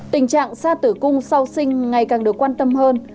tình trạng xa tử cung sau sinh ngày càng được quan tâm hơn